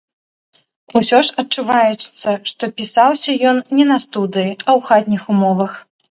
Усё ж адчуваецца, што пісаўся ён не на студыі, а ў хатніх умовах.